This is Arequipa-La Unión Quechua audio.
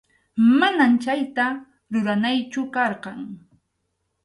Manam chayta ruranaychu karqan.